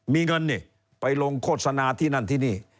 มีเงินนี่ไปลงโฆษณาที่นั่นที่นี่